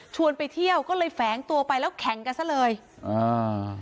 ไปเที่ยวก็เลยแฝงตัวไปแล้วแข่งกันซะเลยอ่า